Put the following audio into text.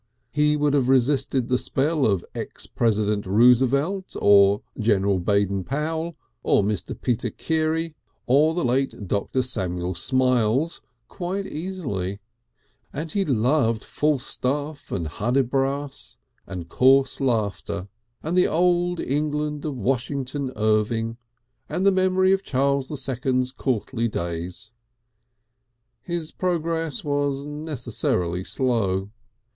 He would have resisted the spell of ex President Roosevelt, or General Baden Powell, or Mr. Peter Keary, or the late Dr. Samuel Smiles, quite easily; and he loved Falstaff and Hudibras and coarse laughter, and the old England of Washington Irving and the memory of Charles the Second's courtly days. His progress was necessarily slow.